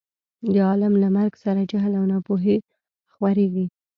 د عالم له مرګ سره جهل او نا پوهي خورېږي.